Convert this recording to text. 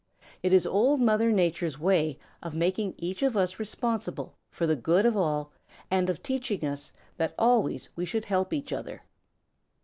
It is Old Mother Nature's way of making each of us responsible for the good of all and of teaching us that always we should help each other.